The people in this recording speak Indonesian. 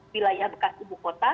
wilayah bekas ibu kota